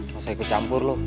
gak usah ikut campur lo